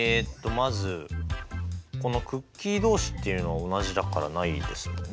まずこのクッキー同士っていうのは同じだからないですよね。